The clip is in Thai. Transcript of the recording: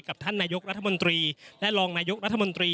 ท่านนายกรัฐมนตรีและรองนายกรัฐมนตรี